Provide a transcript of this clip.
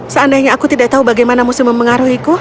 seandainya aku tidak tahu bagaimana musuh mempengaruhiku